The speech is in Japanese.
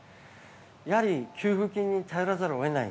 やはり給付金に頼らざるを得ない。